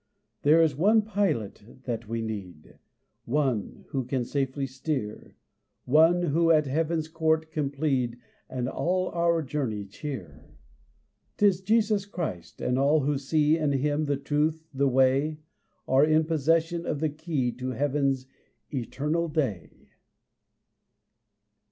There is one Pilot that we need, One who can safely steer, One who at heaven's court can plead, And all our journey cheer. 'Tis Jesus Christ; and all who see In him the truth, the way, Are in possession of the key To heaven's eternal day.